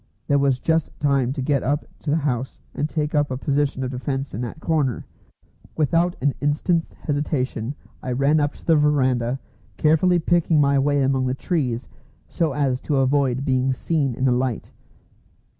There was just time to get up to the house and take up a position of defence in that corner. Without an instant's hesitation I ran up to the verandah, carefully picking my way among the trees, so as to avoid being seen in the light.